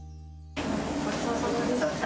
ごちそうさまでした。